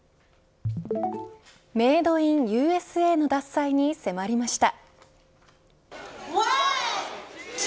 メードインＵＳＡの獺祭に迫りました。